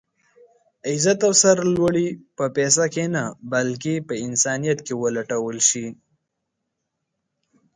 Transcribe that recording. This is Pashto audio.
عزت او سر لوړي په پيسه کې نه بلکې په انسانيت کې ولټول شي.